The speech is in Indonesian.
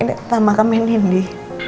ini pertama makamnya nindi